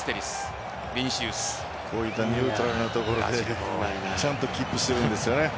こういったニュートラルな所でちゃんとキープしているんですよね。